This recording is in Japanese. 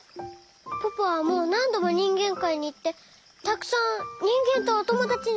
ポポはもうなんどもにんげんかいにいってたくさんにんげんとおともだちになったでしょ？